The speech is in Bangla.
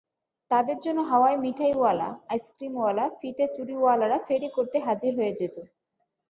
তাদের জন্য হাওয়াই মিঠাইওয়ালা, আইসক্রিমওয়ালা, ফিতে-চুড়িওয়ালারা ফেরি করতে হাজির হয়ে যেত।